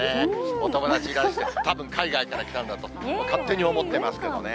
お友達かな、たぶん海外から来たんだと、勝手に思ってますけどね。